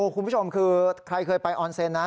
คุณผู้ชมคือใครเคยไปออนเซนนะ